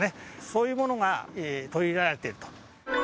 そういうものが取り入れられてると。